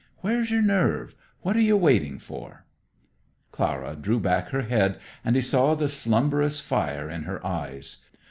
Where's your nerve what are you waiting for?" Clara drew back her head, and he saw the slumberous fire in her eyes.